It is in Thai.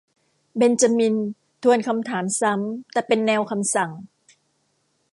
เบนจามินทวนคำถามซ้ำ แต่เป็นแนวคำสั่ง